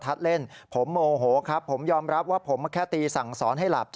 มาได้เลยเดี๋ยวฉันจะมาดูแลลูกลูกครับ